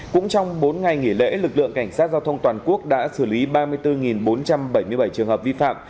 cũng trong bốn ngày nghỉ lễ lực lượng cảnh sát giao thông toàn quốc đã xử lý ba mươi bốn bốn trăm bảy mươi bảy trường hợp vi phạm